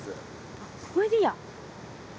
あっこれでいいや。